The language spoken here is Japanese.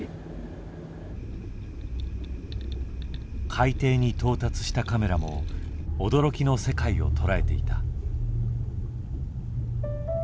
海底に到達したカメラも驚きの世界を捉えていた。